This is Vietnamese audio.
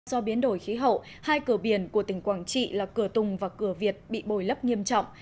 do biến đổi khí hậu hai cửa biển của tỉnh quảng trị là cửa tùng và cửa việt bị bồi lấp nghiêm trọng